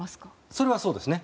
それはそうですね。